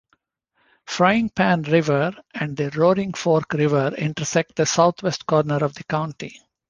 Fryingpan River and the Roaring Fork River intersect the southwest corner of the county.